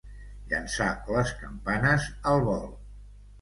Llançar les campanes al vol.